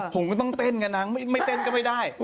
ผมก็ต้องเต้นกันนะไม่เต้นก็ไม่ได้